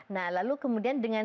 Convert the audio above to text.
nah lalu kemudian dengan